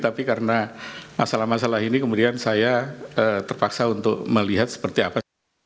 tapi karena masalah masalah ini kemudian saya terpaksa untuk melihat seperti apa